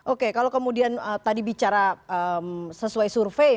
oke kalau kemudian tadi bicara sesuai survei